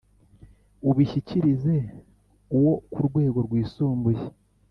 Ubishyikirize uwo ku rwego rwisumbuye